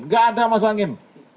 gak ada masuk angin